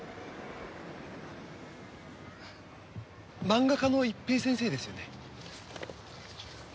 マンガ家の一平先生ですよね？